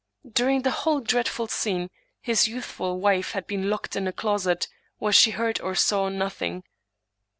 During the whole dreadful scene his youthful wife had been locked into a closet, where she heard or saw nothing.